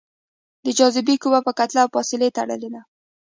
د جاذبې قوه په کتله او فاصلې تړلې ده.